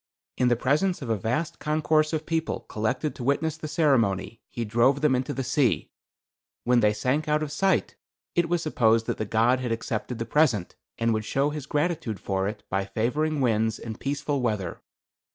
In the presence of a vast concourse of people collected to witness the ceremony, he drove them into the sea. When they sank out of sight it was supposed that the god had accepted the present, and would show his gratitude for it by favoring winds and peaceful weather.